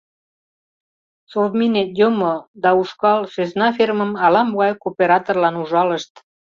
— Совминет йомо, да ушкал, сӧсна фермым ала-могай кооператорлан ужалышт.